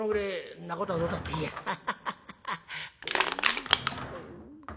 んなことはどうだっていいや。ハハハ」。